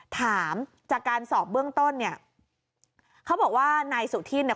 ถามจากการสอบเบื้องต้นเนี่ยเขาบอกว่านายสุธินเนี่ย